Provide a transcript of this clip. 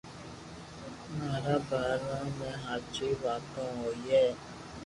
مارا باري ۾ ھاچي واتون ھوئي